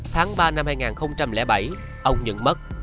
tháng ba năm hai nghìn bảy ông nhận mất